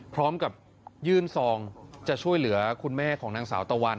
พร้อมกับยื่นซองจะช่วยเหลือคุณแม่ของนางสาวตะวัน